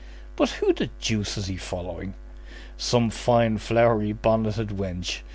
"But who the deuce is he following?" "Some fine, flowery bonneted wench!